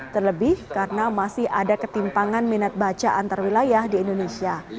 terlebih karena masih ada ketimpangan minat baca antarwilayah di indonesia